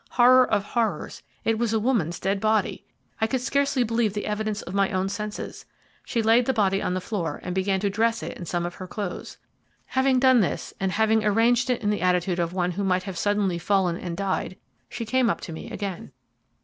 Horror of horrors, it was a woman's dead body! I could scarcely believe the evidence of my own senses. She laid the body on the floor, and began to dress it in some of her clothes. Having done this, and having arranged it in the attitude of one who might have suddenly fallen and died, she came up to me again.